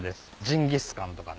ジンギスカンとか。